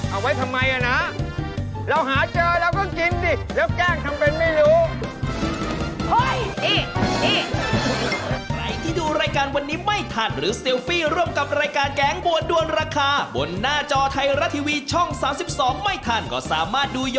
เอาไว้ทำไมอ่ะนะเราหาเจอเราก็กินดิแล้วแกล้งทำเป็นไม่รู้